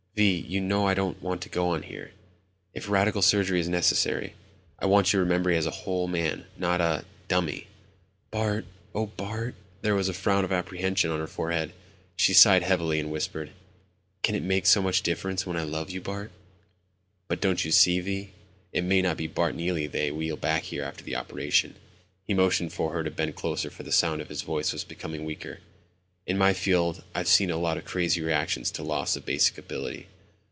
"Vi, you know I don't want to go on here ... if radical surgery is necessary. I want you to remember me as a whole man, not a ... dummy." "Bart, oh Bart." There was a frown of apprehension on her forehead. She sighed heavily and whispered, "Can it make so much difference when I love you Bart?" "But don't you see, Vi? It may not be Bart Neely they wheel back here after the operation." He motioned for her to bend closer for the sound of his voice was becoming weaker. "In my field I've seen a lot of crazy reactions to loss of basic ability.